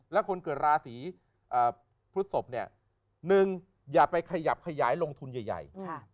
แล้วคนเกิดราศีพฤศพเนี่ย๑อย่าไปขยับขยายลงทุนใหญ่